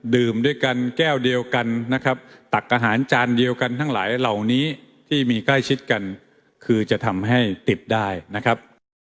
ตักอาหารจานเดียวกันทั้งหลายเหล่านี้ที่มีใกล้ชิดกันคือจะทำให้ติดได้นะครับ